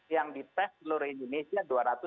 yang di tes seluruh indonesia